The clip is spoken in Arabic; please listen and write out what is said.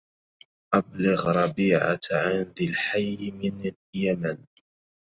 أبلغ ربيعة عن ذي الحي من يمن